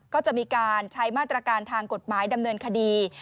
ก็จะมีการใช้มาตรการทางกฎหมายดำเนินคดี